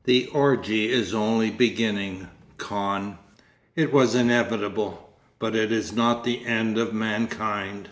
... The orgy is only beginning, Kahn.... It was inevitable—but it is not the end of mankind....